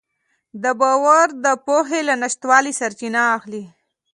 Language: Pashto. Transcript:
دا باور د پوهې له نشتوالي سرچینه اخلي.